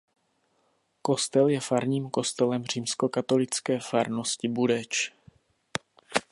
Kostel je farním kostelem římskokatolické farnosti Budeč.